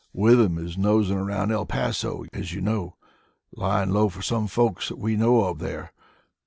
Withem is nosing around El Paso as you know, lying low for some folks that we know of there.